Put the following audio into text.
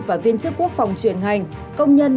và viên chức quốc phòng chuyển ngành công nhân